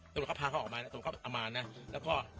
ตุ๊กก็พาเขาออกมานะตุ๊กก็อำมานนะแล้วก็